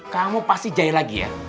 kamu pasti jai lagi ya